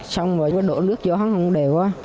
xong rồi đổ nước vô không đều á